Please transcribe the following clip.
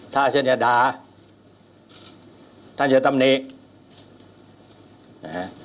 ถ้าฉันจะด่าท่านจะตำนี้